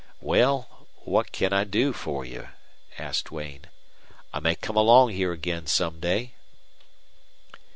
"Well, what can I do for you?" asked Duane. "I may come along here again some day."